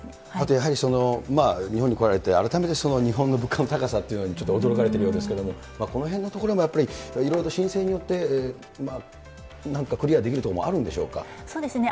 やはり日本に来られて、改めて日本の物価の高さっていうのにちょっと驚かれているようですけれども、このへんのところもやっぱり、いろいろと申請によってなんとかクリアできるところもあるんでしそうですね。